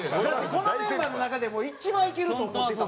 このメンバーの中でも一番いけると思ってた。